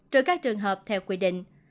trừ các trường hợp theo quy định